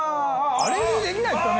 あれでできないですかね？